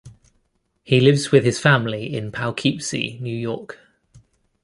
He lives with his family in Poughkeepsie, New York.